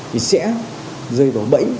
thì sẽ rơi vào bẫy